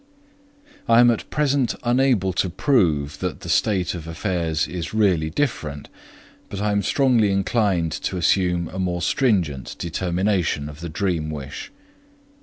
I am at present unable to prove that the state of affairs is really different, but I am strongly inclined to assume a more stringent determination of the dream wish.